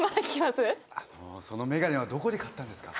あのその眼鏡はどこで買ったんですか？